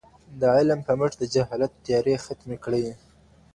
د علم په مټ د جهالت تيارې ختمې کړئ.